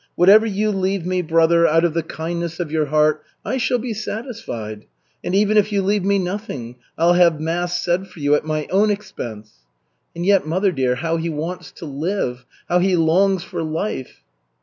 Whatever you leave me, brother, out of the kindness of your heart, I shall be satisfied. And even if you leave me nothing, I'll have mass said for you at my own expense.' And yet, mother dear, how he wants to live! How he longs for life!"